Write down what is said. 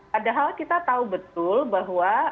padahal kita tahu betul bahwa